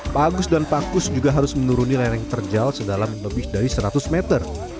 pak agus dan pak kus juga harus menuruni lereng terjal sedalam lebih dari seratus meter